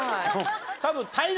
多分。